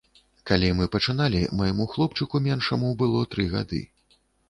Калі мы пачыналі, майму хлопчыку меншаму было тры гады.